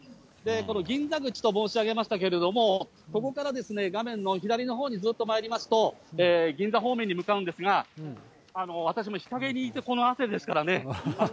この銀座口と申し上げましたけれども、ここから画面の左のほうにずっとまいりますと、銀座方面に向かうんですが、私も日陰にいてこの汗ですからね。